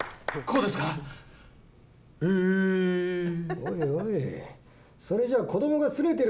おいおい。